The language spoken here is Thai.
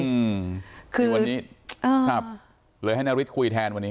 อันนี้เลยให้นาริสคุยแทนวันนี้